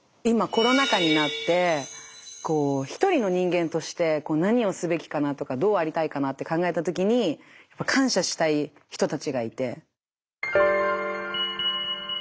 今コロナ禍になって一人の人間として何をすべきかなとかどうありたいかなって考えた時に感謝したい人たちがいて。